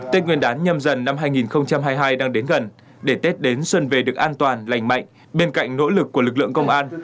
tết nguyên đán nhâm dần năm hai nghìn hai mươi hai đang đến gần để tết đến xuân về được an toàn lành mạnh bên cạnh nỗ lực của lực lượng công an